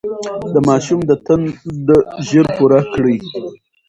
د ماشوم د تنده ژر پوره کړئ.